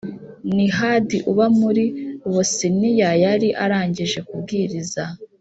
Nihad uba muri Bosiniya yari arangije kubwiriza